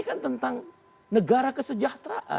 ini kan tentang negara kesejahteraan